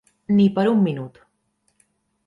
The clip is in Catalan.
Ni per un minut.